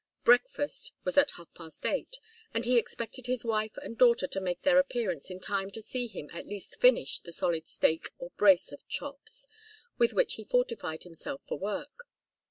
Breakfast was at half past eight, and he expected his wife and daughter to make their appearance in time to see him at least finish the solid steak or brace of chops with which he fortified himself for work.